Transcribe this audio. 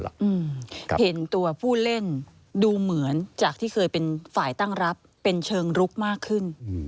เห็นตัวผู้เล่นดูเหมือนจากที่เคยเป็นฝ่ายตั้งรับเป็นเชิงลุกมากขึ้น